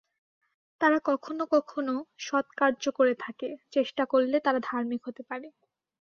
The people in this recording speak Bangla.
তারা কখনও কখনও সৎকার্য করে থাকে, চেষ্টা করলে তারা ধার্মিক হতে পারে।